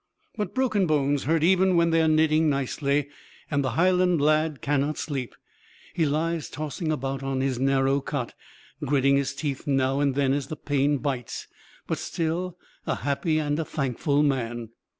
But broken bones hurt even when they are knitting nicely, and the Highland lad cannot sleep; he lies tossing about on his narrow cot, gritting his teeth now and then as the pain bites, but still a happy and a thankful man.